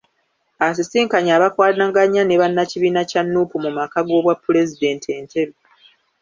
Asisinkanye abakwanaganya ne bannakibiina kya Nuupu mu maka g'obwapulezidenti e Ntebe.